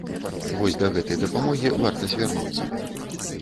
Вось да гэтай дапамогі варта звярнуцца.